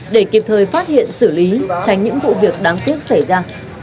để kịp thời phát hiện xử lý tránh những vụ việc đáng tiếc xảy ra